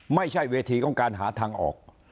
ไม่ใช่เวทีของการหาทางออก